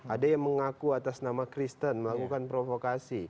ada yang mengaku atas nama kristen melakukan provokasi